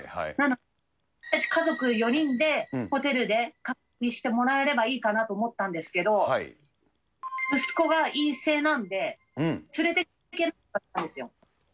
なので、私たち家族４人でホテルで隔離してもらえればいいかなと思ったんですけど、息子が陰性なんで、連れていけなかったんですよ。